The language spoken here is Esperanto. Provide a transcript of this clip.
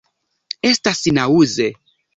Estas naŭze.